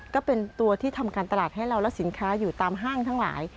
ก็เป็นตัวที่ทำการตลาดให้เราและสินค้าอยู่ตามห้างทั้งหลาย